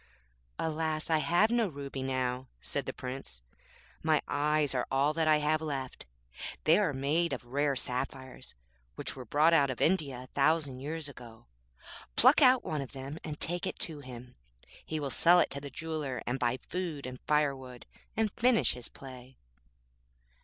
'Alas! I have no ruby now,' said the Prince; 'my eyes are all that I have left. They are made of rare sapphires, which were brought out of India a thousand years ago. Pluck out one of them and take it to him. He will sell it to the jeweller, and buy food and firewood, and finish his play.'